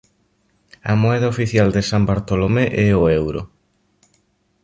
A moeda oficial de San Bartolomé é o euro.